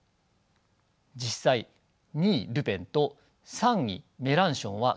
実際２位ルペンと３位メランションは僅差です。